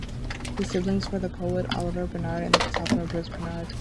His siblings were the poet Oliver Bernard, and the photographer Bruce Bernard.